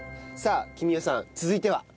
さあ君代さん続いては？